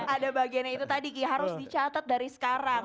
ada bagiannya itu tadi ki harus dicatat dari sekarang